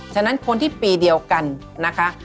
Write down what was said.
ฉะนั้นคนที่ปีเดียวกันนะคะ